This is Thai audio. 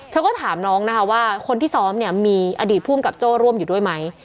เธอก็ถามน้องนะคะว่าคนที่ซ้อมเนี่ยมีอดีตภูมิกับโจ้ร่วมอยู่ด้วยไหม